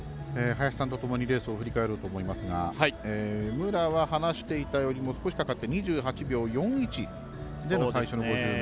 林さんとともにレースを振り返ろうと思いますが武良は、話していたとおり２８秒４１での最初の５０ｍ。